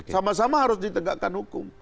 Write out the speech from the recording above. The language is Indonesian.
sama sama harus ditegakkan hukum